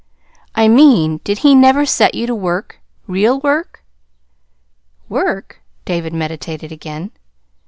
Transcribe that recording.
"I mean, did he never set you to work real work?" "Work?" David meditated again.